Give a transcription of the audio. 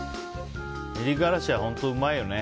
練りがらしは本当うまいよね。